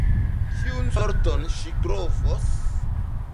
Kiun sorton ŝi trovos?